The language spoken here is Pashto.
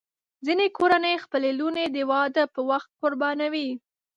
ځینې کورنۍ خپلې لوڼې د واده پر وخت قربانوي.